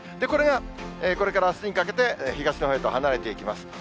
これがこれからあすにかけて、東のほうへと離れていきます。